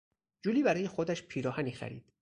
جولی برای خودش پیراهنی خرید.